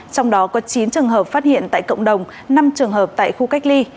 trong đó có chín trường hợp phát hiện tại cộng đồng năm trường hợp tại khu cách ly